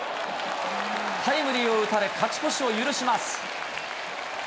タイムリーを打たれ、勝ち越しを許します。